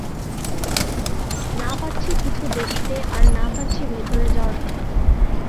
না পাচ্ছি কিছু দেখতে, আর না পাচ্ছি ভেতরে যাওয়ার পথ।